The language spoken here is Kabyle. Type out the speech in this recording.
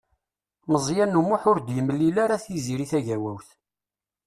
Meẓyan U Muḥ ur d-yemli ara Tiziri Tagawawt.